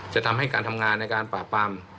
จะทำให้การทำงานในการปราบปราม